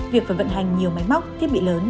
việc phải vận hành nhiều máy móc thiết bị lớn